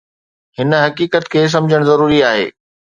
هن حقيقت کي سمجهڻ ضروري آهي